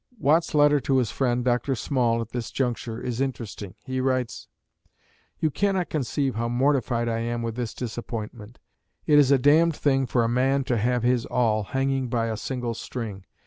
Watt's letter to his friend, Dr. Small, at this juncture, is interesting. He writes: You cannot conceive how mortified I am with this disappointment. It is a damned thing for a man to have his all hanging by a single string.